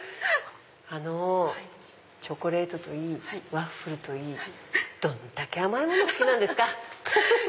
あのチョコレートといいワッフルといいどんだけ甘いもの好きなんですか